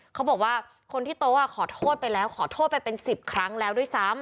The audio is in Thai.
เขาบอกว่าคนที่โต๊ะขอโทษไปแล้วขอโทษไปเป็น๑๐ครั้งแล้วด้วยซ้ำ